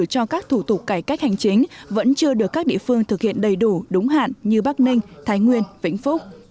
cho các thủ tục cải cách hành chính vẫn chưa được các địa phương thực hiện đầy đủ đúng hạn như bắc ninh thái nguyên vĩnh phúc